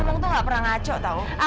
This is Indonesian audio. iya ibu udah selesai